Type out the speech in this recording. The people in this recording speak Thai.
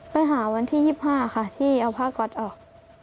ไปหาวันที่๒๕ค่ะที่เอาผ้าก๊อตออก